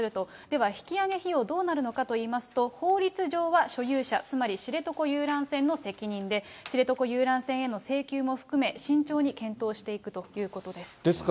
では、引き揚げ費用どうなるのかといいますと、法律上は所有者、つまり知床遊覧船の責任で、知床遊覧船への請求も含め、慎重に検討していくということです。